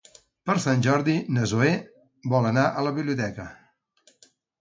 Per Sant Jordi na Zoè vol anar a la biblioteca.